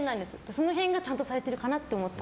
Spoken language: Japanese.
その辺がちゃんとされてるかなって思って。